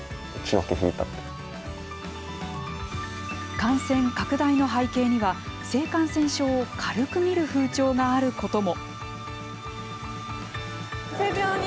感染拡大の背景には性感染症を軽く見る風潮があることも。